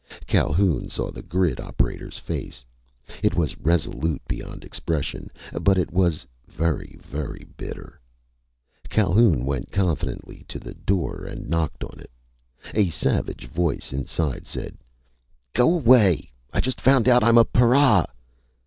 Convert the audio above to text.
Calhoun saw the grid operator's face. It was resolute beyond expression, but it was very, very bitter. Calhoun went confidently to the door and knocked on it. A savage voice inside said: "Go away! I just found out I'm a para!"